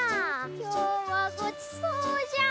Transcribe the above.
きょうはごちそうじゃ！